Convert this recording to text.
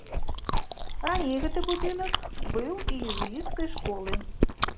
Раней гэты будынак быў езуіцкай школы.